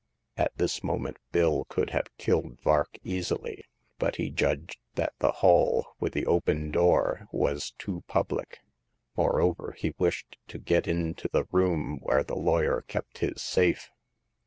At this moment Bill could have killed Vark easily ; but he judged that the hall, with the open door, was too public ; moreover, he wished to get into the room where the lawyer kept his safe.